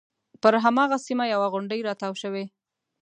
پر هماغه سیمه یوه غونډۍ راتاو شوې.